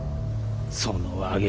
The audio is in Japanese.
そのわげ